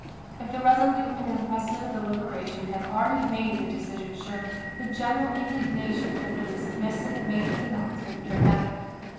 If the resolute and impressive delib eration had already made the decision sure, the general indignation over this missive made its announcement dramatic.